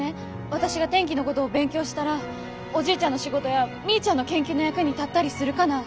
私が天気のごどを勉強したらおじいちゃんの仕事やみーちゃんの研究の役に立ったりするかな？